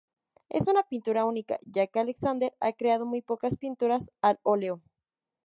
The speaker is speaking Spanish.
Es una pintura única ya que Alexander ha creado muy pocas pinturas al óleo.